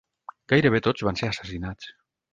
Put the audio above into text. Gairebé tots van ser assassinats.